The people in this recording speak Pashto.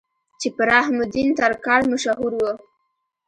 چې پۀ رحم الدين ترکاڼ مشهور وو